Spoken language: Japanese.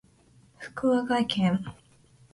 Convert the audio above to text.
福岡県那珂川市